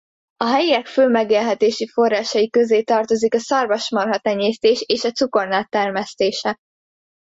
A helyiek fő megélhetési forrásai közé tartozik a szarvasmarha-tenyésztés és a cukornád termesztése.